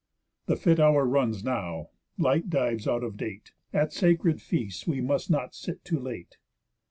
The fit hour runs now, light dives out of date, At sacred feasts we must not sit too late."